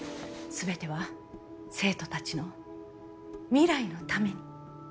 全ては生徒たちの未来のために。